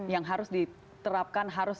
yang harus diterapkan harus